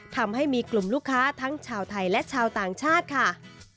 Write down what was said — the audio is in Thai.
ทำให้มีกลุ่มลูกค้าทั้งชาวไทยและชาวต่างชาติค่ะ